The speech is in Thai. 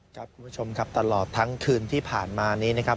คุณผู้ชมครับตลอดทั้งคืนที่ผ่านมานี้นะครับ